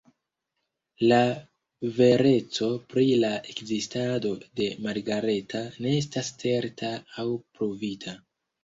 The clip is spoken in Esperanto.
La vereco pri la ekzistado de Margareta ne estas certa aŭ pruvita.